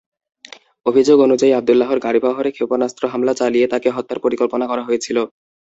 অভিযোগ অনুযায়ী, আবদুল্লাহর গাড়িবহরে ক্ষেপণাস্ত্র হামলা চালিয়ে তাঁকে হত্যার পরিকল্পনা করা হয়েছিল।